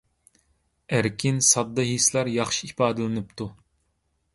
ئەركىن، ساددا ھېسلار ياخشى ئىپادىلىنىپتۇ!